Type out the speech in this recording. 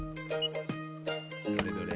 どれどれ？